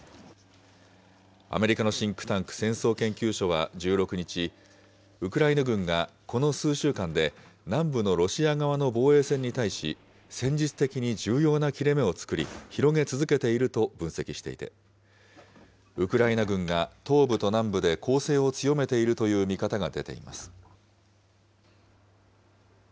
アメリカのシンクタンク、戦争研究所は１６日、ウクライナ軍がこの数週間で、南部のロシア側の防衛線に対し、戦術的に重要な切れ目を作り、広げ続けていると分析していて、ウクライナ軍が東部と南部で攻勢を強めているという見方が出ています。